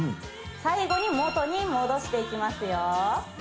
最後にもとに戻していきますよ